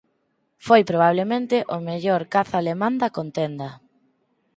Foi probablemente o mellor caza alemán da contenda.